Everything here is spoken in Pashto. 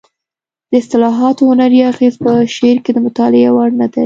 د اصطلاحاتو هنري اغېز په شعر کې د مطالعې وړ دی